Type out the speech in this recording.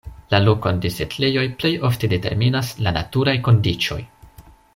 La lokon de setlejoj plej ofte determinas la naturaj kondiĉoj.